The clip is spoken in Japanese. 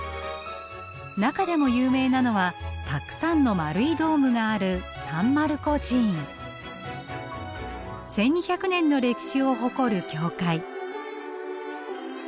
中でも有名なのはたくさんの丸いドームがある１，２００年の歴史を誇る教会。